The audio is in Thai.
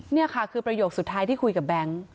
นี่ค่ะคือประโยคสุดท้ายที่คุยกับแบงค์